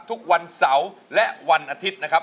ทุกวันเสาร์และวันอาทิตย์นะครับ